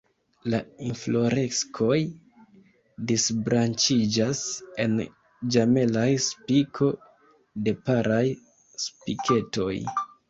La infloreskoj disbranĉiĝas en ĝemelaj spiko de paraj spiketoj.